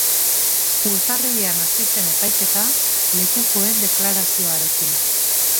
Urtarrilean hasi zen epaiketa, lekukoen deklarazioarekin.